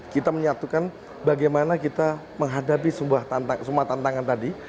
kita menyatukan bagaimana kita menghadapi semua tantangan tadi